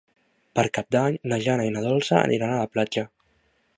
Per Cap d'Any na Jana i na Dolça aniran a la platja.